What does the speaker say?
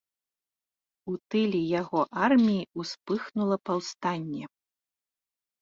У тыле яго арміі ўспыхнула паўстанне.